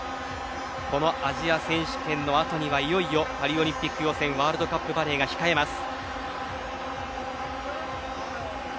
このアジア選手権の後にはいよいよパリオリンピック予選ワールドカップバレーが控えます。